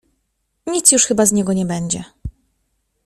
"Nic już chyba z niego nie będzie."